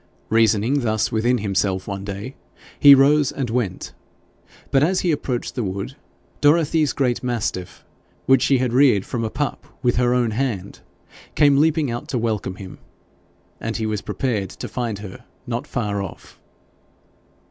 Reasoning thus within himself one day, he rose and went. But, as he approached the wood, Dorothy's great mastiff, which she had reared from a pup with her own hand, came leaping out to welcome him, and he was prepared to find her not far off.